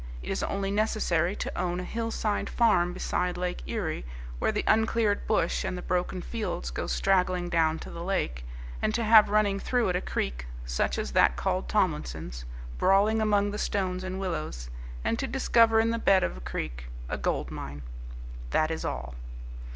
It is only necessary to own a hillside farm beside Lake Erie where the uncleared bush and the broken fields go straggling down to the lake, and to have running through it a creek, such as that called Tomlinson's, brawling among the stones and willows, and to discover in the bed of a creek a gold mine. That is all.